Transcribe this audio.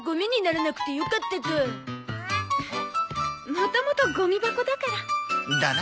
もともとゴミ箱だから。だな。